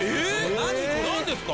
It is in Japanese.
何ですか？